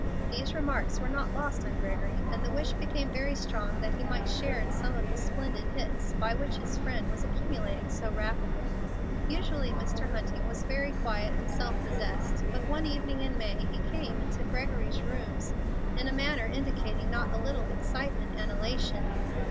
These remarks were not lost on Gregory, and the wish became very strong that he might share in some of the splendid "hits" by which his friend was accumulating so rapidly. Usually Mr. Hunting was very quiet and self possessed, but one evening in May he came into Gregory's rooms in a manner indicating not a little excitement and elation.